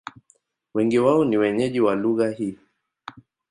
Wengi wao ni wenyeji wa lugha hii.